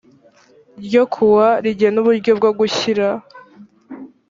ryo ku wa rigena uburyo bwo gushyira